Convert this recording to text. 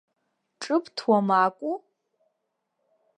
Ҿыбҭуам акәу?